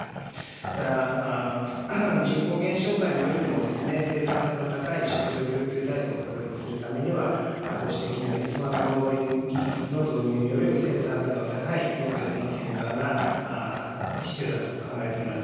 それから人口減少下においても、生産性の高い食料供給体制を確立するためには、ご指摘のように、スマート技術等の導入による生産性の高い農業への転換が必要だと考えております。